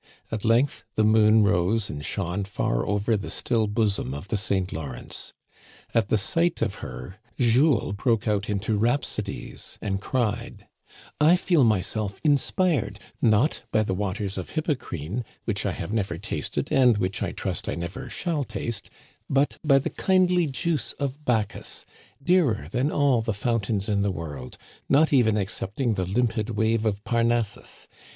At length the moon rose and shone far over the still bosom of the Saint Lawrence. At the sight of her, Jules broke out into rhapsodies, and cried :" I feel myself inspired, not by the waters of Hippo crene, which I have never tasted and which, I trust, I never shall taste, but by the kindly juice of Bacchus, dearer than all the fountains in the world, not even ex cepting the limpid wave of Parnassus.